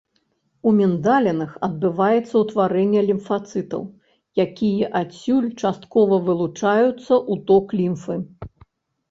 У міндалінах адбываецца ўтварэнне лімфацытаў, якія адсюль часткова вылучаюцца ў ток лімфы.